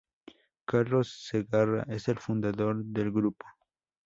Carlos Segarra es el fundador del grupo.